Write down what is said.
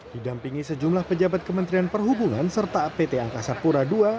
didampingi sejumlah pejabat kementerian perhubungan serta pt angkasa pura ii